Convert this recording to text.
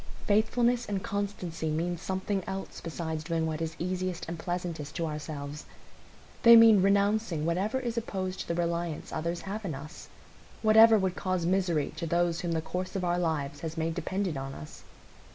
Faithfulness and constancy mean something else besides doing what is easiest and pleasantest to ourselves. They mean renouncing whatever is opposed to the reliance others have in us,—whatever would cause misery to those whom the course of our lives has made dependent on us.